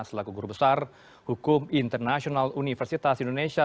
selaku guru besar hukum internasional universitas indonesia